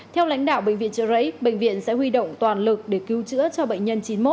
theo lãnh đạo bệnh viện trợ rẫy bệnh viện sẽ huy động toàn lực để cứu chữa cho bệnh nhân chín mươi một